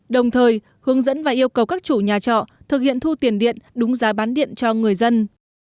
đồng thời hướng dẫn và yêu cầu các chủ nhà trọ thực hiện thu tiền điện đúng giá bán điện cho người dân